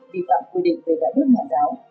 bị tặng quy định về đại bước nhà giáo